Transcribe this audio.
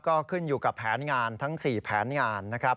ก็ขึ้นอยู่กับแผนงานทั้ง๔แผนงานนะครับ